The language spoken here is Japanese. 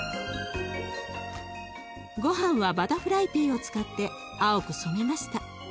ごはんはバタフライピーを使って青く染めました。